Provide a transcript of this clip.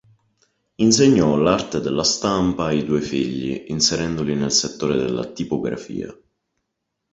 Insegnò l'arte della stampa ai due figli, inserendoli nel settore della tipografia.